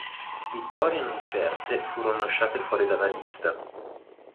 Vittorie non certe furono lasciate fuori dalla lista.